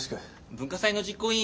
文化祭の実行委員